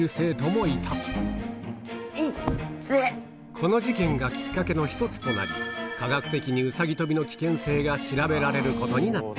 この事件がきっかけの一つとなり、科学的にうさぎ跳びの危険性が調べられることになった。